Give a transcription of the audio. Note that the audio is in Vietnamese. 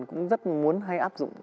cũng rất muốn hay áp dụng